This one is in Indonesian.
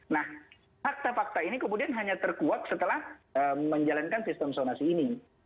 nah fakta fakta ini kemudian hanya terkuak setelah menjalankan sistem zonasi ini